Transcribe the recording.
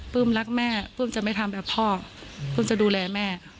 รักแม่ปลื้มจะไม่ทำแบบพ่อปลื้มจะดูแลแม่